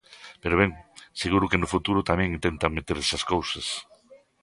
Pero ben, seguro que no futuro tamén intentan meter esas cousas.